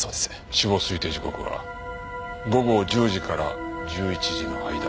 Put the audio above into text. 死亡推定時刻は午後１０時から１１時の間。